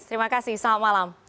terima kasih selamat malam